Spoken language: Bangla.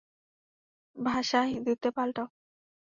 ভাষা হিন্দিতে পাল্টাও।